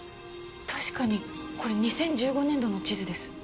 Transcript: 確かにこれ２０１５年度の地図です。